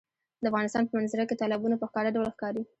د افغانستان په منظره کې تالابونه په ښکاره ډول ښکاري.